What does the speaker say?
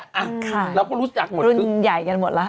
อ่ะค่ะเราก็รู้จักหมดทุนใหญ่กันหมดแล้ว